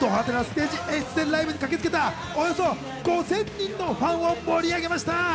ド派手なステージ演出でライブに駆け付けたおよそ５０００人のファンを盛り上げました。